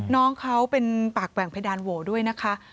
น้องเขาเป็นปากแหว่งเพดานโหวด้วยนะคะ